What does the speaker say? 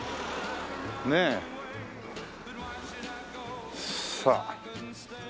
ねえ。さあ。